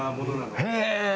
へえ！